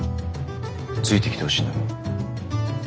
ついてきてほしいんだろ？